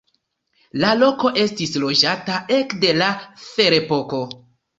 La loko estis loĝata ekde la ferepoko.